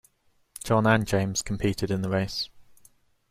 John and James competed in the race